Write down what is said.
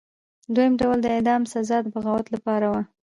دویم ډول د اعدام سزا د بغاوت لپاره وه.